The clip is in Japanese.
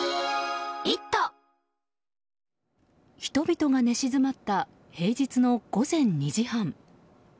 人々が寝静まった平日の午前２時半。